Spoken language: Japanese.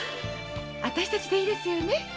私たちでいいですよね？